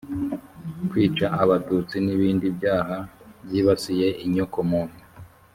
kwica abatutsi n’ ibindi byaha byibasiye inyokomuntu